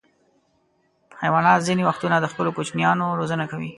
حیوانات ځینې وختونه د خپلو کوچنیانو روزنه کوي.